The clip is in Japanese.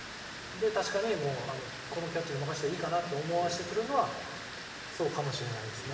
確かにこのキャッチャーに任せていいかなと思わせてくれるのはそうかもしれないですね。